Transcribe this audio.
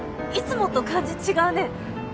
いつもと感じ違うね。